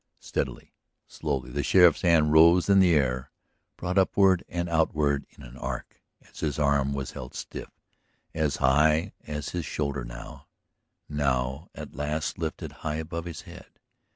Steadily, slowly, the sheriff's hand rose in the air, brought upward and outward in an arc as his arm was held stiff, as high as his shoulder now, now at last lifted high above his head.